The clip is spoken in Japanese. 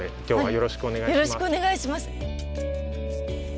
よろしくお願いします。